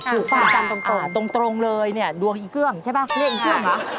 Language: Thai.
ถูกป่ะตรงเลยนี่ดวงอีเกื้องใช่ป่ะเรียกอีเกื้องเหรอ